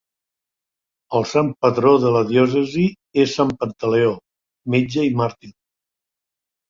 El sant patró de la diòcesi és Sant Pantaleó, metge i màrtir.